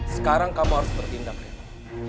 sekarang kamu harus bertindak itu